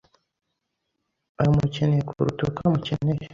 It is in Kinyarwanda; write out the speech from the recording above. Aramukeneye kuruta uko amukeneye.